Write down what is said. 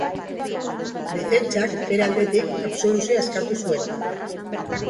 Defentsak, bere aldetik, absoluzioa eskatu zuen.